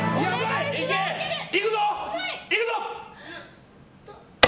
いくぞ！